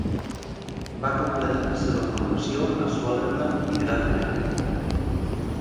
Va completar la seva formació a Swellendam i Graaff-Reinet.